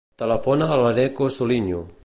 Telefona a l'Eneko Soliño.